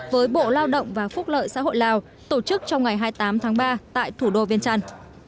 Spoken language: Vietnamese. với bộ lao động và phúc lợi xã hội lào tổ chức trong ngày hai mươi tám tháng ba tại thủ đô viên trăn